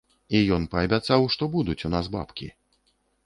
І ён паабяцаў, што будуць у нас бабкі.